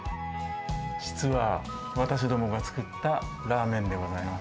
実は、私どもが作ったラーメンでございます。